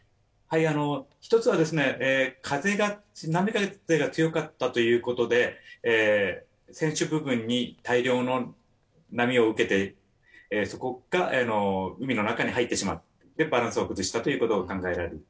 １つは波風が強かったということで船首部分に大量の波を受けて、そこが海の中に入ってしまって、バランスを崩したということが考えられる。